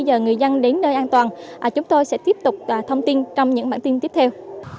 nhờ người dân đến nơi an toàn chúng tôi sẽ tiếp tục thông tin trong những bản tin tiếp theo